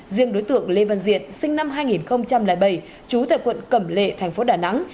riêng đối tượng lê văn diện sinh năm hai nghìn bảy chú tại quận cẩm lệ tp đà nẵng